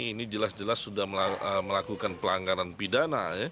ini jelas jelas sudah melakukan pelanggaran pidana